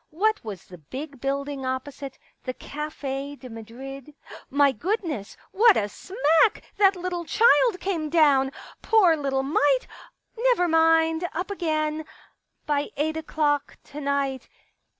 What was the big building opposite — the Cafe de Madrid ? My goodness, what a smack that little child came down I Poor little mite ! Never mind — up again. ... By eight o'clock to night